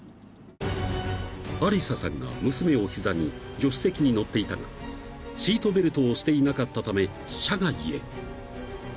［アリサさんが娘を膝に助手席に乗っていたがシートベルトをしていなかったため車外へ］